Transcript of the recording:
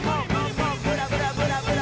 「ブラブラブラブラ」